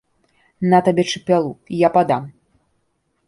На табе чапялу, я падам!